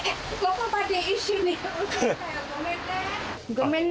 ごめんね。